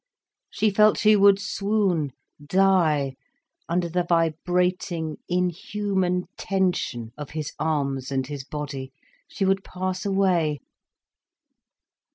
She felt she would swoon, die, under the vibrating, inhuman tension of his arms and his body—she would pass away.